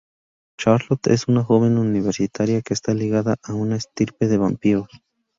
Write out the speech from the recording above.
Charlotte es una joven universitaria que está ligada a una estirpe de vampiros.